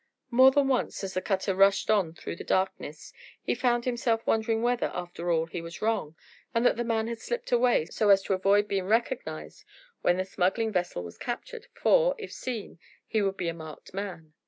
More than once, as the cutter rushed on through the darkness, he found himself wondering whether, after all, he was wrong, and that the man had slipped away, so as to avoid being recognised when the smuggling vessel was captured, for, if seen, he would be a marked man.